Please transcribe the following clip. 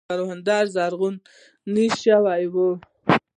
کروندې زرغونې شوې وې.